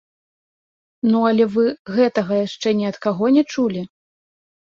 Ну, але вы гэтага яшчэ ні ад каго не чулі?